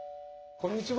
こんにちは。